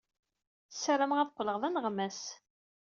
Ssarameɣ ad qqleɣ d aneɣmas.